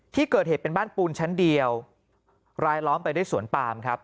ที่เกิดเหตุเป็นบ้านปูนชั้นเดียวรายล้อมไปด้วยสวนปามครับ